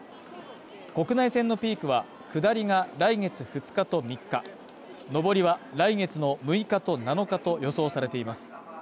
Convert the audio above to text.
国内線のピークは下りが来月２日と３日上りは来月の６日と７日と予想されています。